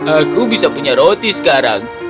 aku bisa punya roti sekarang